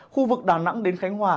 khu vực đà nẵng đến khánh hòa